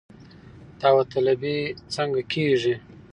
داوطلبي څنګه کیږي؟